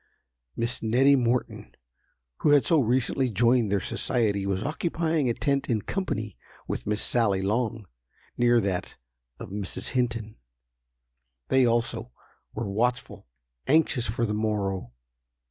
Miss Nettie Morton, who had so recently joined their society, was occupying a tent in company with Miss Sally Long, near that of Mrs. Hinton. They also, were watchful—anxious for the morrow.